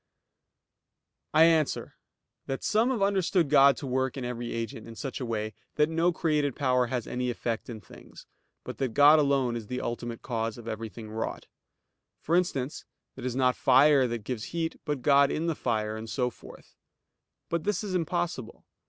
I answer that, Some have understood God to work in every agent in such a way that no created power has any effect in things, but that God alone is the ultimate cause of everything wrought; for instance, that it is not fire that gives heat, but God in the fire, and so forth. But this is impossible.